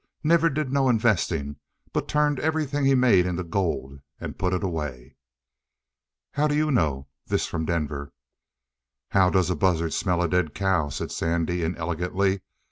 Never did no investing, but turned everything he made into gold and put it away." "How do you know?" This from Denver. "How does a buzzard smell a dead cow?" said Sandy inelegantly.